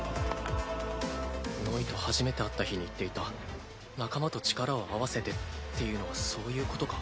タッノイと初めて会った日に言っていた仲間と力を合わせてっていうのはそういうことか。